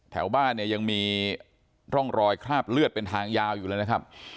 แถวบ้านเนี่ยยังมีร่องรอยคราบเลือดเป็นทางยาวอยู่เลยนะครับ